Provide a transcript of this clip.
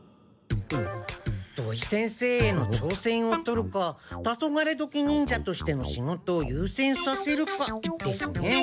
土井先生への挑戦を取るかタソガレドキ忍者としての仕事を優先させるかですね。